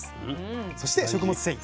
そして食物繊維。